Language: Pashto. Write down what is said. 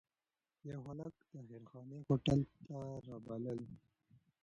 یو هلک خلک د خیرخانې هوټل ته رابلل.